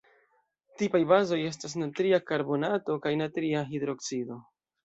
Tipaj bazoj estas natria karbonato kaj natria hidroksido.